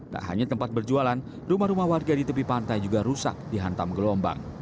tak hanya tempat berjualan rumah rumah warga di tepi pantai juga rusak dihantam gelombang